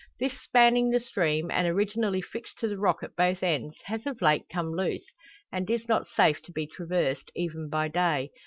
This spanning the stream, and originally fixed to the rock at both ends, has of late come loose, and is not safe to be traversed, even by day.